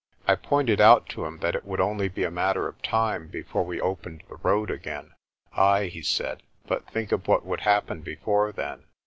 I pointed out to him that it would only be a matter of time before we opened the road again. "Ay," he said, "but think of what would happen before then.